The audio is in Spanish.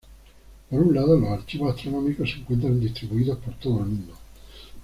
Por un lado, los archivos astronómicos se encuentran distribuidos por todo el mundo.